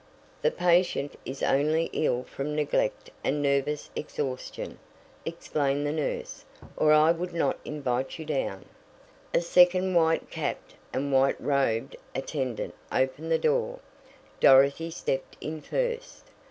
"The patient is only ill from neglect and nervous exhaustion," explained the nurse, "or I would not invite you down." A second white capped and white robed attendant opened the door. Dorothy stepped in first.